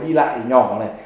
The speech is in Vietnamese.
đi lại thì nhỏ hơn này